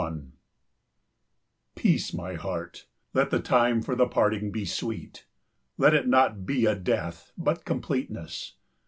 61 Peace, my heart, let the time for the parting be sweet. Let it not be a death but completeness.